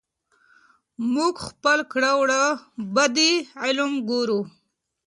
موږ خپل کړه وړه پدې علم کې ګورو.